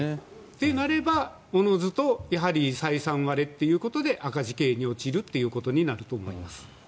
となればおのずと採算割れということで赤字経営に陥るということになると思います。